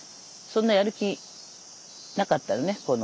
そんなやる気なかったよね。